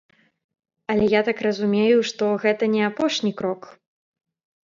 Але я так разумею, што гэта не апошні крок.